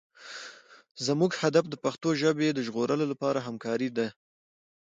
زموږ هدف د پښتو ژبې د ژغورلو لپاره همکارۍ دي.